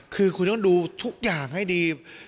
คือคุณต้องดูทุกอย่างให้ดี